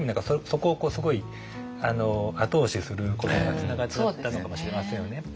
そこをすごい後押しすることにつながっちゃったのかもしれませんよね。